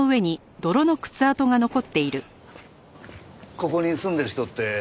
ここに住んでる人って。